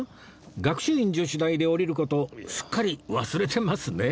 学習院女子大で降りる事すっかり忘れてますね